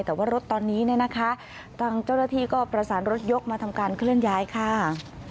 แต่ว่ารถตอนนี้เนี่ยนะคะทางเจ้าหน้าที่ก็ประสานรถยกมาทำการเคลื่อนย้ายค่ะ